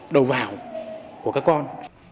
đầu vào của các con